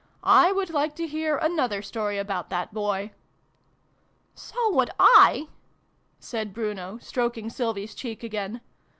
" I would like to hear an other story about that Boy." " So would /," said Brunp, stroking Sylvie's cheek again.